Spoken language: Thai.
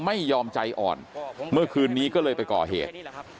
ไม่ยอมใจอ่อนเมื่อคืนนี้ก็เลยไปก่อเหตุ